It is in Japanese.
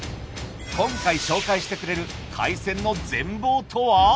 今回紹介してくれる海鮮の全貌とは？